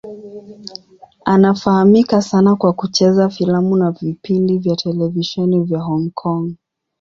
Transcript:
Anafahamika sana kwa kucheza filamu na vipindi vya televisheni vya Hong Kong.